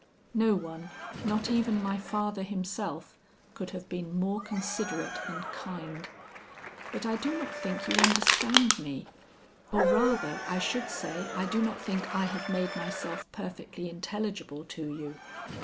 "No one, not even my father himself, could have been more considerate and kind; but I do not think you understand me, or rather I should say I do not think I have made myself perfectly intelligible to you.